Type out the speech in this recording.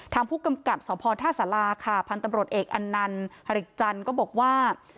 ทางผู้กำกับสพท่าสาราค่ะพันธุ์ตำรวจเอกอันนันฮริกจันทร์ก็บอกว่า